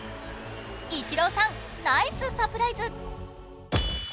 イチローさん、ナイスサプライズ！